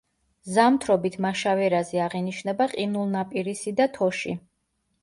ზამთრობით მაშავერაზე აღინიშნება ყინულნაპირისი და თოში.